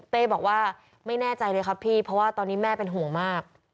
บอกว่าไม่แน่ใจเลยครับพี่เพราะว่าตอนนี้แม่เป็นห่วงมาก